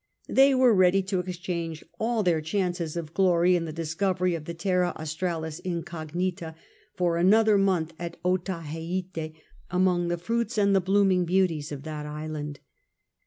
They wei e ready to exchange all their cliaiices of glory in the discovery of the Terra Jiisfralis Invognifa for another month at Otiiheite, among the fruits and the " blooming beauties " of that island.